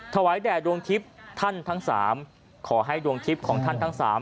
แด่ดวงทิพย์ท่านทั้งสามขอให้ดวงทิพย์ของท่านทั้งสาม